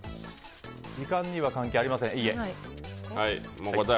時間には関係ありませんいいえ。